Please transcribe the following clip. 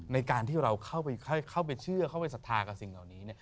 ในการที่เราเข้าไปเชื่อเข้าไปศรัทธากับสิ่งเหล่านี้